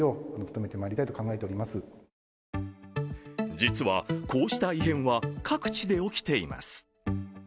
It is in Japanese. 実は、こうした異変は各地で起きています。